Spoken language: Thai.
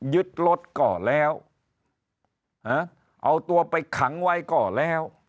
ยึดรถก็แล้วเอาตัวไปขังไว้ก็แล้ว